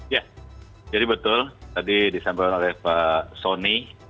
ya jadi betul tadi disampaikan oleh pak soni